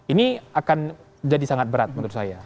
ini akan jadi sangat berat menurut saya